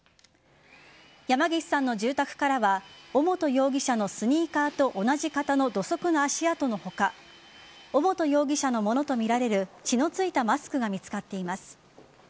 山岸さんの住宅からは尾本容疑者のスニーカーと同じ型の土足の足跡の他尾本容疑者のものとみられる血の付いたマスクが見つかっています。